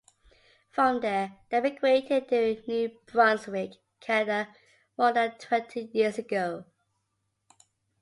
From there, they immigrated to New Brunswick, Canada, more than twenty years ago.